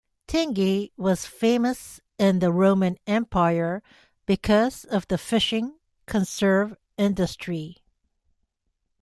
Tingi was famous in the Roman empire because of the fishing conserve industry.